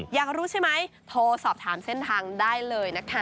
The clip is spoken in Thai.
อยากรู้ใช่ไหมโทรสอบถามเส้นทางได้เลยนะคะ